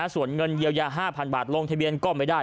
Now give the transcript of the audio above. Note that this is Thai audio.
ส่วนเงินเยียวยา๕๐๐บาทลงทะเบียนก็ไม่ได้